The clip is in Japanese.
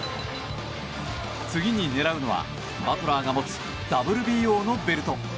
次に狙うのはバトラーが持つＷＢＯのベルト。